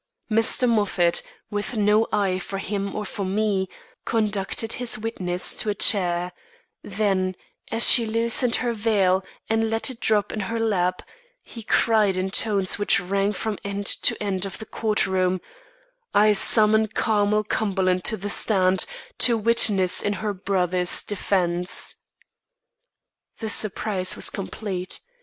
Mr. Moffat, with no eye for him or for me, conducted his witness to a chair; then, as she loosened her veil and let it drop in her lap, he cried in tones which rang from end to end of the court room: "I summon Carmel Cumberland to the stand, to witness in her brother's defence." The surprise was complete.